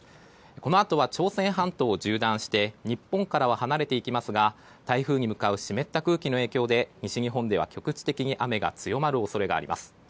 このあとは朝鮮半島を縦断して日本からは離れていきますが台風に向かう湿った空気の影響で西日本では局地的に雨が強まる恐れがあります。